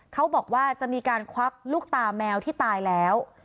เขาบอกว่าจะมีการควักลูกตาแมวที่ตายแล้ว